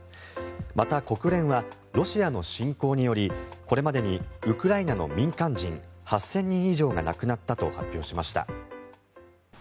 また、国連はロシアの侵攻によりこれまでにウクライナの民間人８０００人以上が亡くなったと発表しました。